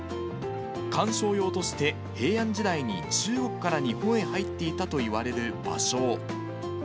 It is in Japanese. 観賞用として平安時代に中国から日本へ入っていたといわれるバショウ。